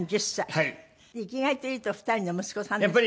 生きがいというと２人の息子さんですか？